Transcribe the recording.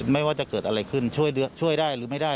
ไม่ว่าจะเกิดอะไรขึ้นช่วยได้หรือไม่ได้